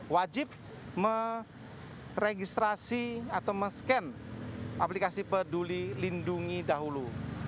wajib meregistrasi atau mesken aplikasi peduli lindungi dahulu